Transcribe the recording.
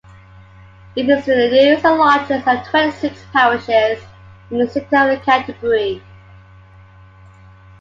It is the newest and largest of twenty-six parishes in the City of Canterbury.